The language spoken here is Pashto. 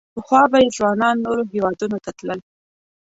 پخوا به یې ځوانان نورو هېوادونو ته تلل.